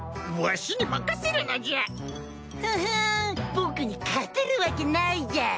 僕に勝てるわけないじゃん。